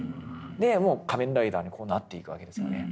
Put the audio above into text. でもう仮面ライダーになっていくわけですよね。